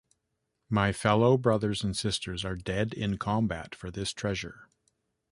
My fellow brothers and sisters are dead in combat for this treasure.